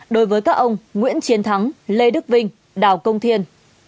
đối với các ông nguyễn chiến thắng lê đức vinh đào công thiên